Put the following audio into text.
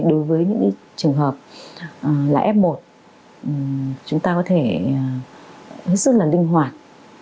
đối với những trường hợp là f một chúng ta có thể rất là linh hoạt